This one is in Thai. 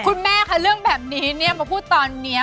คุณแม่คะเรื่องแบบนี้เนี่ยมาพูดตอนนี้